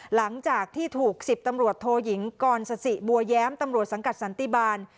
หลังจากที่ถูก๑๐ตำรวจโทยิงกรสสิบัวแย้มตำรวจสังกัดสันติบาล